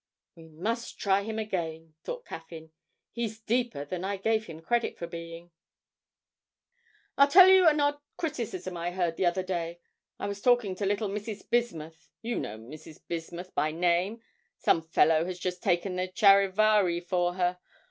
('We must try him again,' thought Caffyn; 'he's deeper than I gave him credit for being.') 'I'll tell you an odd criticism I heard the other day. I was talking to little Mrs. Bismuth you know Mrs. Bismuth by name? Some fellow has just taken the "Charivari" for her.